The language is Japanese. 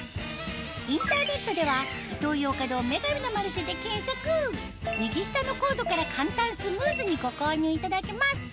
インターネットでは右下のコードから簡単スムーズにご購入いただけます